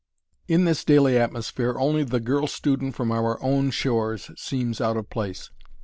In this daily atmosphere only the girl student from our own shores seems out of place.